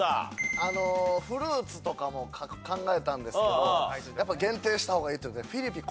あの「フルーツ」とかも考えたんですけどやっぱ限定した方がいいっていうんで「Ｆｉｌｌｉｐｉｎ」。